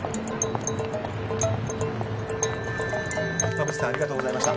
「馬渕さんありがとうございました」